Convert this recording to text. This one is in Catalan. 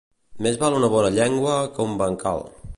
Més val una bona llengua que un bancal.